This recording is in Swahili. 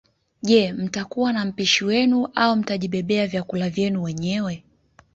Je mtakuwa na mpishi wenu au mtajibebea vyakula vyenu wenyewe